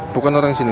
bukan orang kesini